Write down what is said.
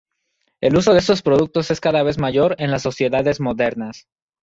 El uso de estos productos es cada vez mayor en las sociedades modernas.